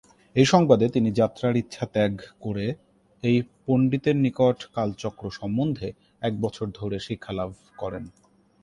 এই সংবাদে তিনি যাত্রার ইচ্ছা ত্যাগ করে এই পন্ডিতের নিকট কালচক্র সম্বন্ধে এক বছর ধরে শিক্ষালাভ করেন।